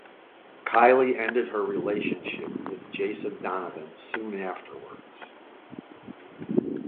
Kylie ended her relationship with Jason Donovan soon afterwards.